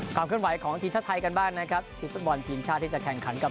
กลับเคลื่อนไหวของทีชชะไทยกันบ้างนะครับที่สมบวนทีมชาติที่จะแข่งขันกับ